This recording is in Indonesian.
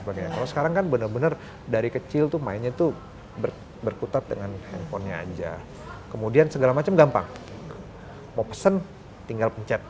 kalau sekarang kan bener bener dari kecil tuh mainnya tuh berkutat dengan handphonenya aja kemudian segala macam gampang mau pesen tinggal pencet